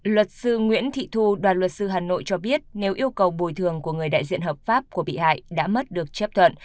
luật sư nguyễn thị thu đoàn luật sư hà nội cho biết nếu yêu cầu bồi thường của người đại diện hợp pháp của bị hại đã mất được chấp thuận